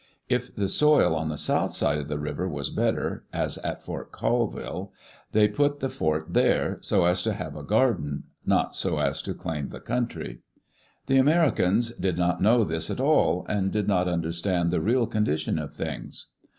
If the soil on the south side of the river was better, as at Fort Col vlUe, they put the fort there, so as to have a garden; not so as to claim the country. The Americans did not know this at all, and did not understand the real condition of things.